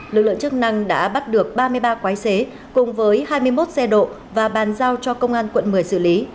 lực lượng chức năng đã bắt được ba mươi ba quái xế cùng với hai mươi một xe độ và bàn giao cho công an quận một mươi xử lý